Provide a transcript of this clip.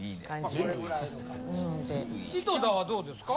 井戸田はどうですか？